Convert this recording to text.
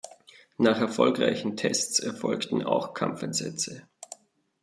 Nach erfolgreichen Tests erfolgten auch Kampfeinsätze.